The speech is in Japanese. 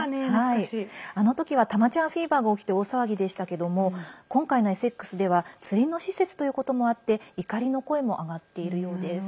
あの時はタマちゃんフィーバーが起きて大騒ぎでしたけども今回のエセックスでは釣りの施設ということもあって怒りの声も上がっているようです。